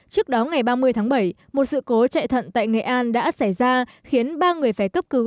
trước đó ngày ba mươi tháng bảy một sự cố chạy thận tại nghệ an đã xảy ra khiến ba người phải cấp cứu